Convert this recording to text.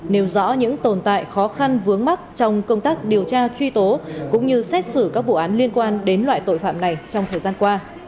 nêu rõ những tồn tại khó khăn vướng mắt trong công tác điều tra truy tố cũng như xét xử các vụ án liên quan đến loại tội phạm này trong thời gian qua